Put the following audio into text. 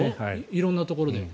色んなところで。